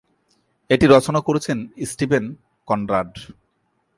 এটি রচনা করেছেন স্টিভেন কনরাড।